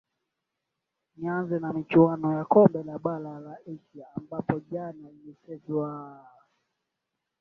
nianze na michuano ya kombe la bara la asia ambayo jana imechezwa aaa